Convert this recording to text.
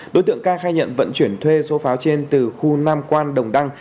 đối tượng ca khai nhận vận chuyển thuê số pháo trên từ khu nam quan đồng đăng